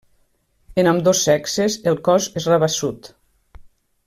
En ambdós sexes, el cos és rabassut.